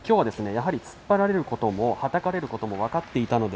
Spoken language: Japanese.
突っ張られることもはたかれることも分かっていた。